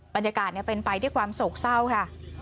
บรรยากาศเป็นไปด้วยความโศกเศร้าค่ะ